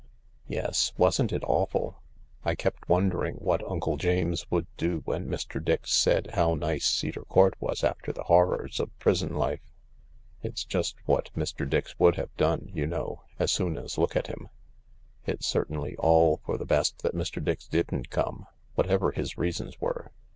"Yes — wasn't it awful ! I kept wondering what Uncle James would do when Mr. Dix said how nice Cedar Court was after the horrors of prison life. It's just what Mr. Dix would have done, you know — as soon as look at him. It's certainly all for the best that Mr. Dix didn't come— what ever his reasons were."